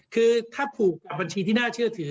คือถ้าผูกกับบัญชีที่น่าเชื่อถือ